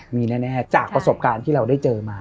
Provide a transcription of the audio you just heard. มีแน่จากประสบการณ์ที่เราได้เจอมา